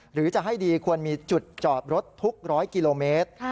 หรือจะให้ดีควรมีจุดจอดรถทุกร้อยกิโลเมตร